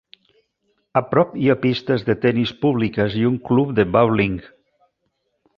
A prop hi ha pistes de tenis públiques i un club de bowling.